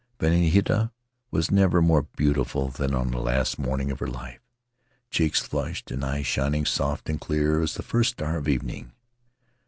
Vahinetua was never more beautiful than on the last morning of her life — cheeks flushed and eyes shining soft and clear as the first star of evening.